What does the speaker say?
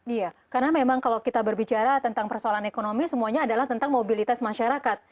iya karena memang kalau kita berbicara tentang persoalan ekonomi semuanya adalah tentang mobilitas masyarakat